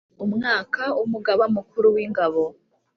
Umwaka umugaba mukuru w’ingabo,